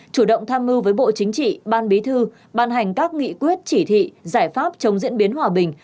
chủ động tham mưu với bộ chính trị ban bí thư ban hành các nghị quyết chỉ thị giải pháp chống diễn biến hòa bình